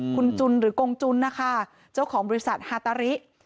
คุณจุนหรือกงจุนนะคะเจ้าของบริษัทฮาตาริ